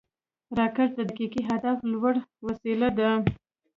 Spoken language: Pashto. راکټ د دقیق هدف وړلو وسیله ده